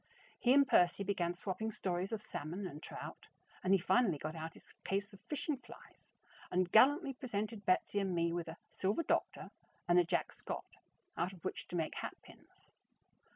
He and Percy began swapping stories of salmon and trout, and he finally got out his case of fishing flies, and gallantly presented Betsy and me with a "silver doctor" and a "Jack Scott" out of which to make hatpins.